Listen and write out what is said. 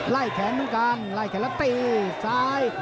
ไล่แขนเพิ่งกันไล่แขนแล้วตีซ้าย